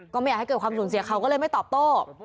ไม่อยากให้เกิดความสูญเสียเขาก็เลยไม่ตอบโต้